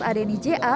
sad di ja